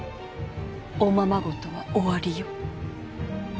おままごとは終わりよ。